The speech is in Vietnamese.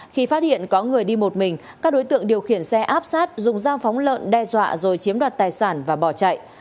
khi phát hiện có người đi một mình các đối tượng điều khiển xe áp sát dùng dao phóng lợn đe dọa rồi chiếm đoạt tài sản và bỏ chạy